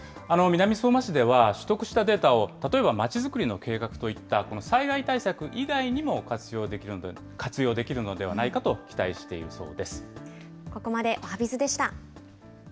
南相馬市では取得したデータを例えばまちづくりの計画といった災害対策以外にも活用できるのではないかと期待しているそうです。